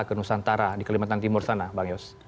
ke banyosantara di kelimutan timur sana bang yus